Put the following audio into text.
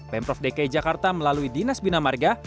pemprov dki jakarta melalui dinas bina marga